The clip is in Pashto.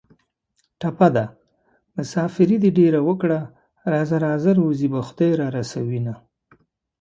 ټپه ده: مسافري دې ډېره وکړه راځه راځه روزي به خدای را رسوینه